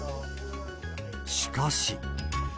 しかし。